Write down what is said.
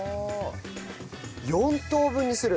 ４等分にする。